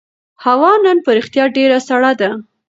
هوا نن په رښتیا ډېره سړه ده.